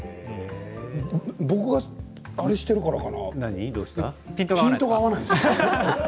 僕があれしてるからかなピントが合わないんですよ。